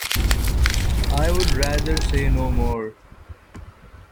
I would rather say no more.